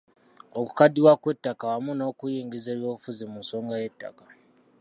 Okukaddiwa kw'ettaka wamu n'okuyingiza ebyobufuzi mu nsonga y'ettaka.